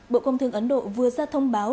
bộ công thương ấn độ vừa ra thông báo